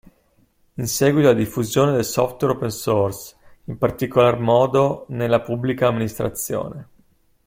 In seguito alla diffusione del software open source, in particolare modo nella Pubblica Amministrazione.